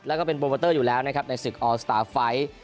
แล้วก็เป็นโปรโมเตอร์อยู่แล้วนะครับในศึกออสตาร์ไฟท์